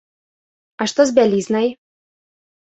А што з бялізнай?